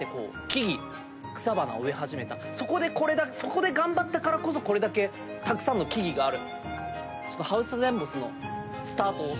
そこで頑張ったからこそこれだけたくさんの木々がある。